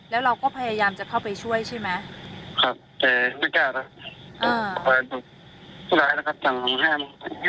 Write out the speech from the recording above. แล้วเราก็พยายามจะเข้าไปช่วยใช่ไหม